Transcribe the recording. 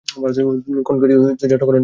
তিনি 'কন্-টিকি'তে যাত্রা করার জন্য পরিচিত।